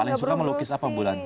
paling suka melukis apa bulan